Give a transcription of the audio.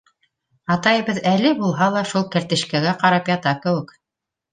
Атайыбыҙ әле булһа ла шул кәртишкәгә ҡарап ята кеүек.